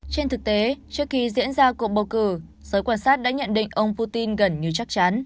trên thực tế trước khi diễn ra cuộc bầu cử giới quan sát đã nhận định ông putin gần như chắc chắn